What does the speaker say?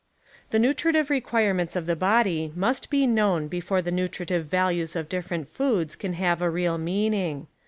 The nutritive requirements of the body must be known before the nutritive values of different foods can have a real meaning.